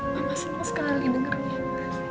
mama seneng sekali dengerin